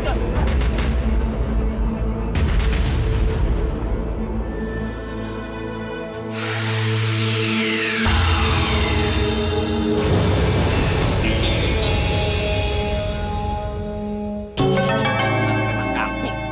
sampai kembali kampung